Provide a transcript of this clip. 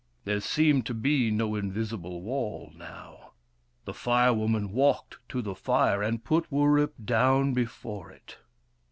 There seemed to be no invisible wall now : the Fire Woman walked to the fire, and put Wurip down before it.